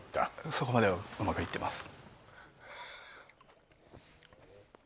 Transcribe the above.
そこまではうまくいってます